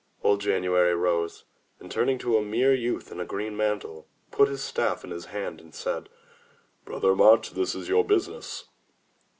Old January rose, and turning to a mere youth in a green mantle, put his staff in his hand and said: "Brother March, this is your business."